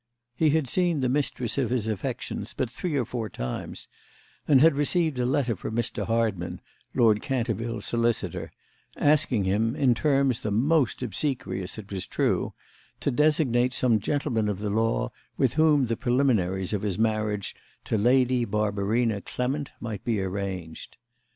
He had seen the mistress of his affections but three or four times, and had received a letter from Mr. Hardman, Lord Canterville's solicitor, asking him, in terms the most obsequious it was true, to designate some gentleman of the law with whom the preliminaries of his marriage to Lady Barbarina Clement might be arranged.